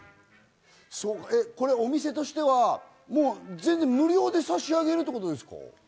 お店としては無料で差し上げるってことですか？